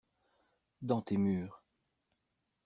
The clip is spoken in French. Dans tes murs.